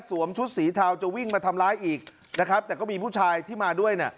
ชุดสีเทาจะวิ่งมาทำร้ายอีกนะครับแต่ก็มีผู้ชายที่มาด้วยเนี่ย